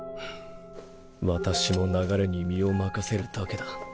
私も流れに身を任せるだけだ